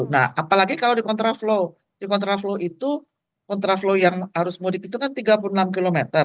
nah apalagi kalau di kontra flow di kontra flow itu kontra flow yang harus mudik itu kan tiga puluh enam km